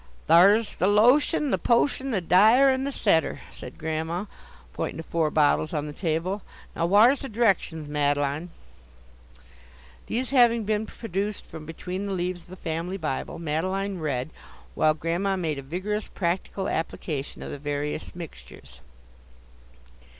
"There's the lotion, the potion, the dye er, and the setter," said Grandma, pointing to four bottles on the table. "Now whar's the directions, Madeline?" These having been produced from between the leaves of the family Bible, Madeline read, while Grandma made a vigorous practical application of the various mixtures.